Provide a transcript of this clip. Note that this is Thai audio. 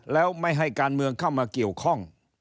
แล้วไม่ให้การเมืองเข้ามาเกี่ยวข้อง